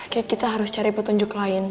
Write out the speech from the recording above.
kayak kita harus cari petunjuk lain